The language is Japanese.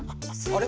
あれ？